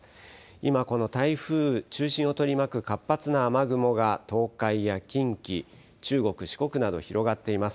今、この台風、中心を取り巻く活発な雨雲が東海や近畿、中国、四国など広がっています。